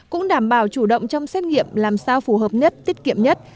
cũng đảm bảo chủ động trong xét nghiệm làm sao phù hợp nhất tiết kiệm nhất